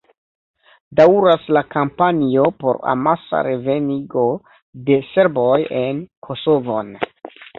Daŭras la kampanjo por amasa revenigo de serboj en Kosovon.